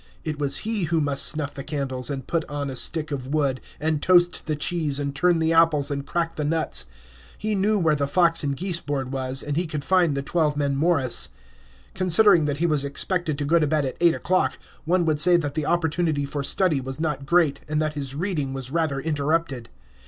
It was he who must snuff the candles, and put on a stick of wood, and toast the cheese, and turn the apples, and crack the nuts. He knew where the fox and geese board was, and he could find the twelve men Morris. Considering that he was expected to go to bed at eight o'clock, one would say that the opportunity for study was not great, and that his reading was rather interrupted.